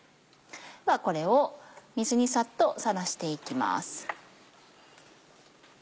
ではこれを水にサッとさらしていきます。